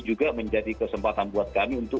juga menjadi kesempatan buat kami untuk